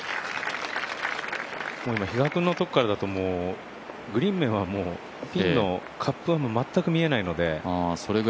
今、比嘉君のところからだとグリーンの上のピンのカップも見えないので。